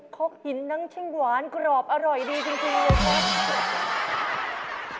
คกหินทั้งหวานกรอบอร่อยดีจริงเลยครับ